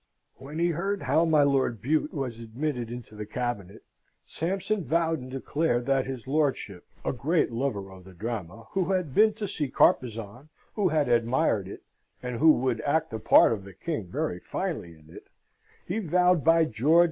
When he heard how my Lord Bute was admitted into the cabinet, Sampson vowed and declared that his lordship a great lover of the drama, who had been to see Carpezan, who had admired it, and who would act the part of the king very finely in it he vowed, by George!